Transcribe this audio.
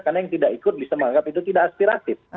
karena yang tidak ikut bisa dianggap itu tidak aspiratif